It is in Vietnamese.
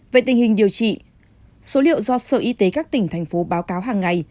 về tình hình điều trị số liệu do sở y tế các tỉnh thành phố báo cáo hàng ngày